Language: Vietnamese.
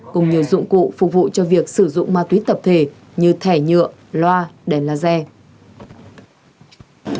cùng nhiều dụng cụ phục vụ cho việc sử dụng ma túy tập thể như thẻ nhựa loa đèn laser